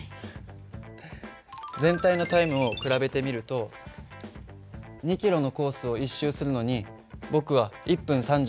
全体のタイムを比べてみると２キロのコースを１周するのに僕は１分３４秒。